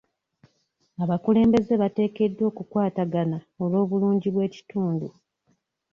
Abakulembeze bateekeddwa okukwatagana olw'obulungi bw'ekitundu.